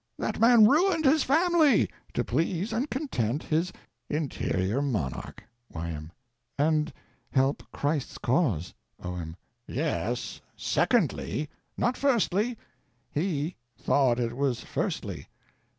That man ruined his family to please and content his Interior Monarch— Y.M. And help Christ's cause. O.M. Yes—secondly. Not firstly. He thought it was firstly.